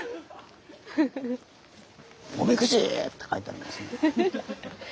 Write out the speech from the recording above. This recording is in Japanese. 「おみくじ」！って書いてありますね。